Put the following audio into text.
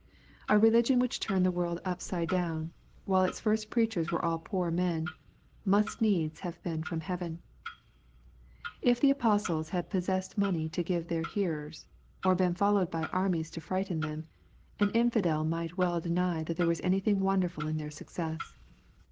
A religion which turned the world upside dowo, while its first preachers were all poor men, must needs have been from heaven. If the apostles had pos sessed money to give their hearers, or been followed by armies to frighten them, an iniSdel might well deny that there was anything wonderful in their success.